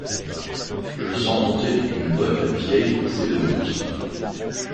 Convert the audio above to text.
Je sens monter une bonne vieille bouffée de honte.